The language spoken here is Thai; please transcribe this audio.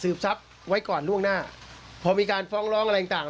ทรัพย์ไว้ก่อนล่วงหน้าพอมีการฟ้องร้องอะไรต่างต่าง